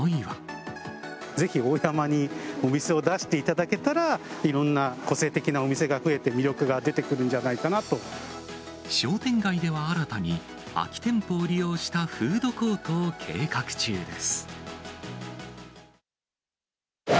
ぜひ大山にお店を出していただけたら、いろんな個性的なお店が増えて、商店街では新たに、空き店舗を利用したフードコートを計画中です。